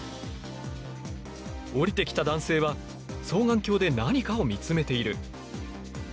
降りてきた男性は双眼鏡で何かを見つめている。